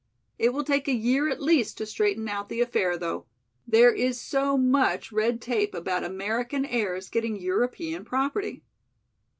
It will take a year at least to straighten out the affair though. There is so much red tape about American heirs getting European property."